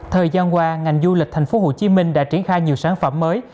thời gian qua ngành du lịch thành phố hồ chí minh đã triển khai nhiều sản phẩm mới